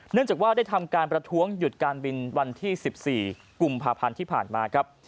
เนื่องจากว่าได้ทำการประท้วงหยุดการบินวันที่๑๔กุมภาพันธ์ที่ผ่านมาครับ